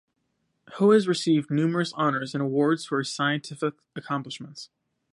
Ho has received numerous honors and awards for his scientific accomplishments.